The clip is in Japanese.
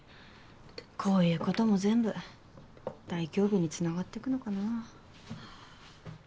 こういうことも全部大凶日につながっていくのかな。